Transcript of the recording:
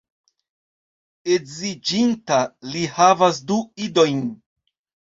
Edziĝinta, li havas du idojn.